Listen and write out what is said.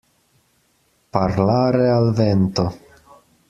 Parlare al vento.